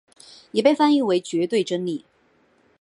也被翻译为绝对真理。